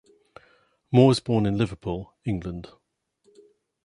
Moore was born in Liverpool, England.